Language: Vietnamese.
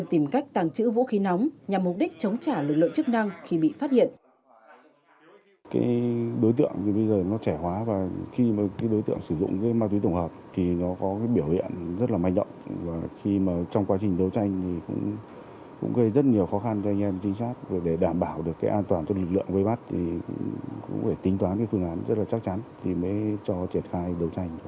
cũng tìm cách tàng trữ vũ khí nóng nhằm mục đích chống trả lực lượng chức năng khi bị phát hiện